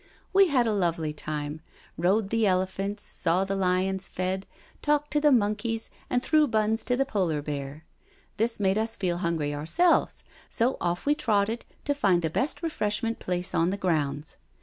We had a lovely time — rode the elephants, saw the lions fed, talked to the monkeys, and threw buns to the polar bear. This made us feel hungry ourselves, so off we trotted to find the best refreshment place on the grounds.